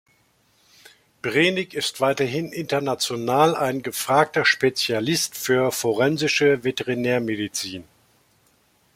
Brenig ist weiterhin international ein gefragter Spezialist für forensische Veterinärmedizin.